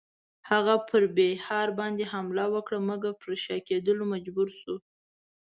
هغه پر بیهار باندی حمله وکړه مګر پر شا کېدلو مجبور شو.